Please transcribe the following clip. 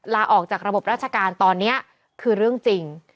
ลาออกจากระบบราชการตอนนี้คือเรื่องจริง